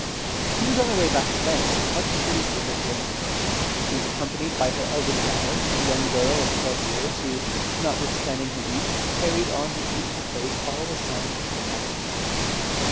She was on her way back to Venice, much pleased with her journey. She was accompanied by her eldest daughter a young girl of twelve years, who, notwithstanding her youth, carried on her beautiful face all the signs of perfection.